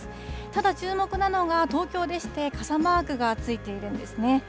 ただ、注目なのが東京でして、傘マークがついているんですね。